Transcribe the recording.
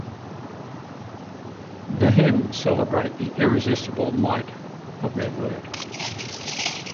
The hymns celebrate the irresistible might of their word.